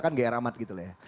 kan gak yaramat gitu ya